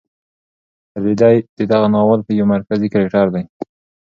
رېدی د دغه ناول یو مرکزي کرکټر دی.